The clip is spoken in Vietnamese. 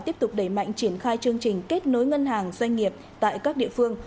tiếp tục đẩy mạnh triển khai chương trình kết nối ngân hàng doanh nghiệp tại các địa phương